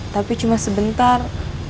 tapi cuma sebentar